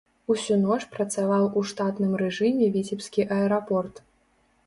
Усю ноч працаваў у штатным рэжыме віцебскі аэрапорт.